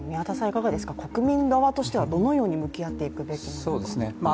国民側としては、どのように向き合っていくべきなのか。